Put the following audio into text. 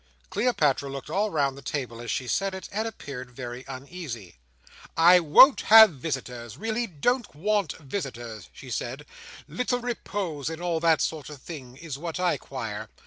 Cleopatra looked all round the table as she said it, and appeared very uneasy. "I won't have visitors—really don't want visitors," she said; "little repose—and all that sort of thing—is what I quire.